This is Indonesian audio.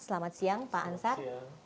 selamat siang pak ansar